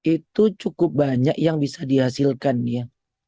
itu cukup banyak yang bisa dihasilkan ya